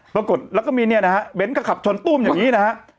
ปรากฏแล้วก็มีเนี่ยนะฮะเบ้นก็ขับชนตุ้มอย่างนี้นะฮะ